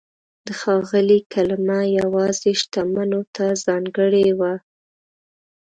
د "ښاغلی" کلمه یوازې شتمنو ته ځانګړې وه.